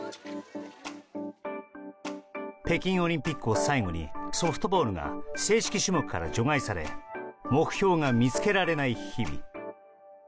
北京オリンピックを最後にソフトボールが正式種目から除外され目標が見つけられない日々。